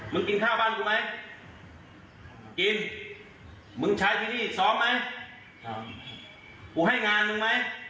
มึงกินข้าวบ้านกูไหม